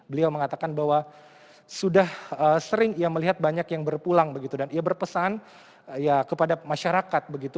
beliau mengatakan bahwa sudah sering melihat banyak yang berpulang dan ia berpesan kepada masyarakat